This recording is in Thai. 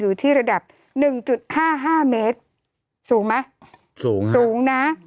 โทษทีน้องโทษทีน้อง